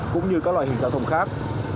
cũng như các loại hình giao thông khác